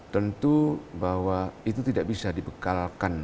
tentu bahwa itu tidak bisa dibekalkan